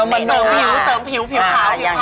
เรามาเสริมผิวผิวขาว